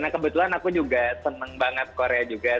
nah kebetulan aku juga senang banget korea juga